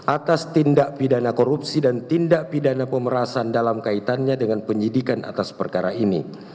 atas tindak pidana korupsi dan tindak pidana pemerasan dalam kaitannya dengan penyidikan atas perkara ini